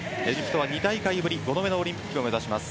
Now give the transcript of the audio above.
２大会ぶり、５度目のオリンピックを目指します。